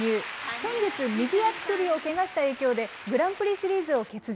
先月、右足首をけがした影響で、グランプリシリーズを欠場。